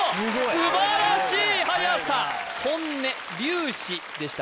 素晴らしいはやさ「本音」「粒子」でした・